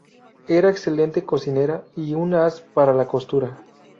Era excelente cocinera y un as para la costura.